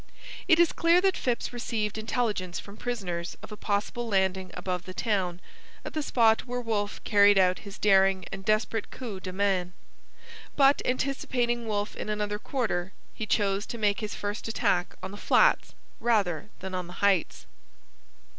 It is clear that Phips received intelligence from prisoners of a possible landing above the town, at the spot where Wolfe carried out his daring and desperate coup de main. But, anticipating Wolfe in another quarter, he chose to make his first attack on the flats rather than on the heights.